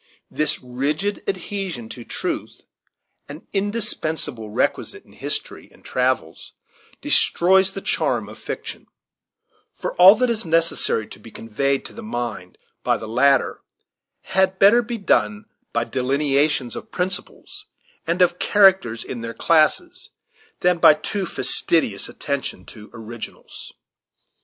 This rigid adhesion to truth, an indispensable requisite in history and travels, destroys the charm of fiction; for all that is necessary to be conveyed to the mind by the latter had better be done by delineations of principles, and of characters in their classes, than by a too fastidious attention to originals.